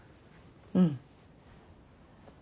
うん。